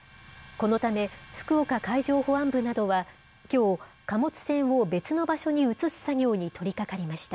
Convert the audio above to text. このため、福岡海上保安部などはきょう、貨物船を別の場所に移す作業に取りかかりました。